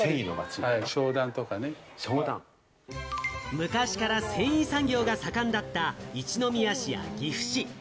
昔から繊維産業が盛んだった一宮市、岐阜市。